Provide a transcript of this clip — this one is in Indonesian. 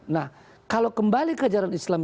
nah itu bagaimana bullied